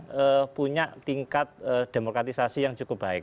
karena punya tingkat demokratisasi yang cukup baik